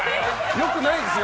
良くないですよ。